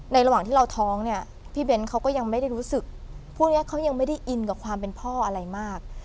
ระหว่างที่เราท้องเนี่ยพี่เบ้นเขาก็ยังไม่ได้รู้สึกพวกนี้เขายังไม่ได้อินกับความเป็นพ่ออะไรมาก